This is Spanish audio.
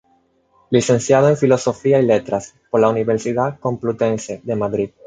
Licenciado en Filosofía y Letras por la Universidad Complutense de Madrid.